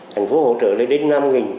thành phố hỗ trợ lên đến năm